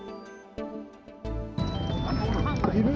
いる？